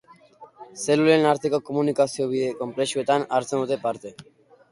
Zelulen arteko komunikazio bide konplexuetan hartzen dute parte.